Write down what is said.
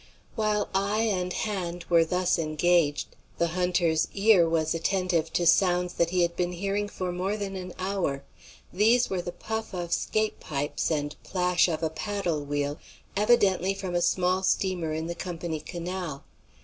While eye and hand were thus engaged, the hunter's ear was attentive to sounds that he had been hearing for more than an hour. These were the puff of 'scape pipes and plash of a paddle wheel, evidently from a small steamer in the Company Canal.